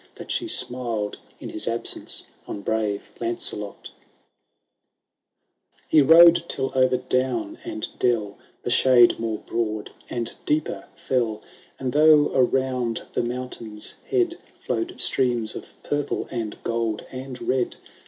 That she smiled, in his absence, on brave Lancelot XIL He rode, till over down and dell The shade more broad and deeper fell ; And though around the mountain's head Flowed streams of purple, and gold, and red.